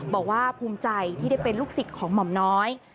บอกว่าภูมิใจที่ได้เป็นลูกศิษย์ของหม่อมน้อย